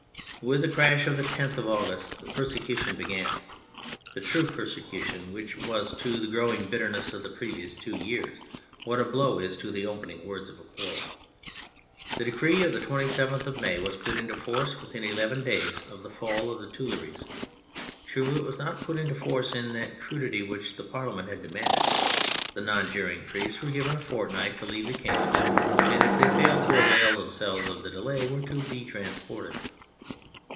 With the crash of the 10th of August the persecution began : the true persecution, which was to the growing bitterness of the previous two years what a blow is to the opening words of a quarrel. The decree of the 27th of May was put into force within eleven days of the fall of the Tuileries. True, it was not put into force in that crudity which the Parliament had demanded : the non juring priests were given a fortnight to leave the kingdom, and if they failed to avail themselves of the delay were to be transported.